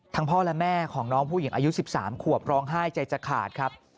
พ่อและแม่ของน้องผู้หญิงอายุ๑๓ขวบร้องไห้ใจจะขาดครับ